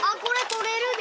取れたで。